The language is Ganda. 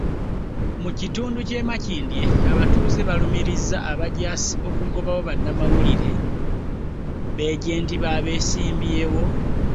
Mu kitundu ky'e Makindye, abatuuze baalumirizza abajaasi okugobawo bannamawulire, beejenti b'abeesimbyewo